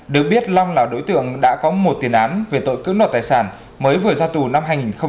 được biết long là đối tượng đã có một tiền án về tội cưỡng đoạt tài sản mới vừa ra tù năm hai nghìn một mươi ba